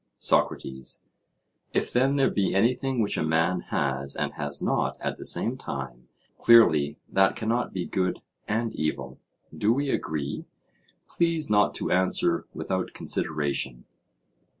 SOCRATES: If then there be anything which a man has and has not at the same time, clearly that cannot be good and evil—do we agree? Please not to answer without consideration.